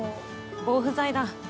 防腐剤だ。